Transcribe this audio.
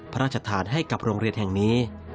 พระราชทานให้กับโรงเรียนแห่งนี้